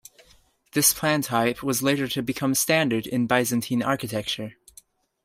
This plan type was later to become standard in Byzantine architecture.